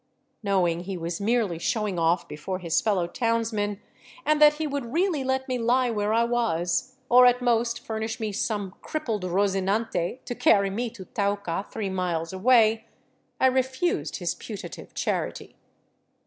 Knowing he was merely showing off before his fellow townsmen, and that he would really let me lie where I was, or at most furnish me some crippled Rozinante to carry me to Tauca, three miles away, I refused his putative charity.